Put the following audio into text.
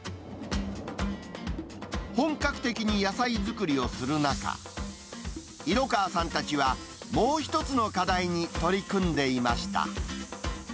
本格的に野菜作りをする中、色川さんたちは、もう一つの課題に取り組んでいました。